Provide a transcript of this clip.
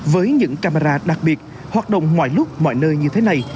với những camera đặc biệt hoạt động ngoài lúc mọi nơi như thế này